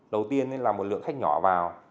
đầu tiên là một lượng khách nhỏ vào